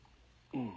うん。